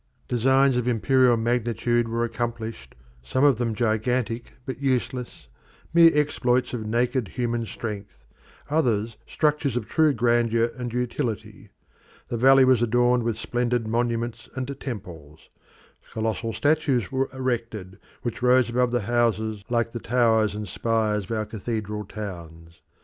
Designs of imperial magnitude were accomplished, some of them gigantic but useless, mere exploits of naked human strength, others structures of true grandeur and utility. The valley was adorned with splendid monuments and temples; colossal statues were erected, which rose above the houses like the towers and spires of our cathedral towns.